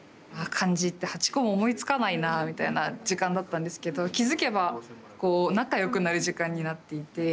漢字って８個も思いつかないなみたいな時間だったんですけど気付けばこう仲良くなる時間になっていて。